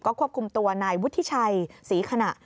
ควบคุมตัวนายวุฒิชัยศรีขณะ